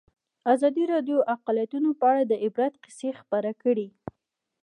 ازادي راډیو د اقلیتونه په اړه د عبرت کیسې خبر کړي.